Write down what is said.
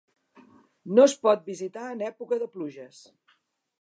No es pot visitar en època de pluges.